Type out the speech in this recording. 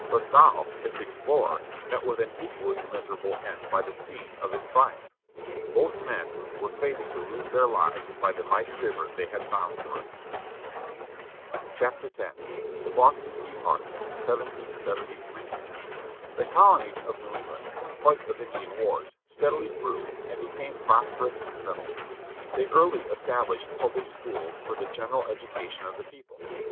La Salle, its explorer, met with an equally miserable end by the scene of his triumph. Both men / were fated to lose their lives by the mighty river they had found for us. ^'^tS BE FOUNDING OF NEW ORLEANS BY THE FRENCH â I7I4 THE BOSTON TEA PARTY. 1773 HE colonies of New England, in spite of Indian wars, steadily grew, and became prosperous and settled. They early established public schools for the general education of the people.